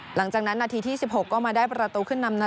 หลังจากนั้นนาทีที่๑๖ก็มาได้ประตูขึ้นนำ